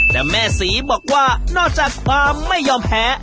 แต่แม่ศรีบอกว่านอกจากความไม่ยอมแพ้